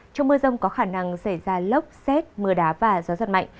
trong mưa rông có khả năng xảy ra lốc xét mưa đá và gió giật mạnh